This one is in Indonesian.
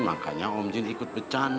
makanya om jin ikut bercanda